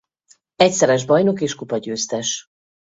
Egyszeres bajnok és kupagyőztes.